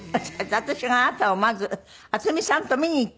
私があなたをまず渥美さんと見に行った。